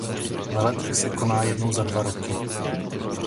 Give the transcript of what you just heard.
Veletrh se koná jednou za dva roky.